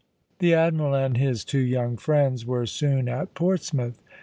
The Admiral and his two young friends were soon at Portsmouth.